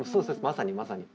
まさにまさに。